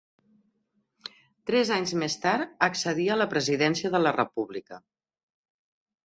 Tres anys més tard accedia a la presidència de la República.